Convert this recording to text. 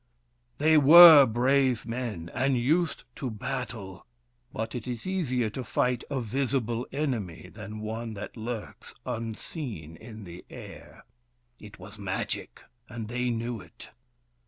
They were brave men, and used to battle, but it is easier to fight a visible enemy than one that lurks, unseen, in the air. It was Magic, and they knew it.